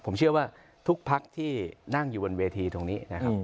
ผมเชื่อว่าทุกพักที่นั่งอยู่บนเวทีตรงนี้นะครับ